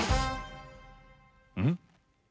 うん？